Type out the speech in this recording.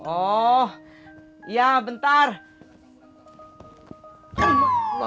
eh kayak begitunya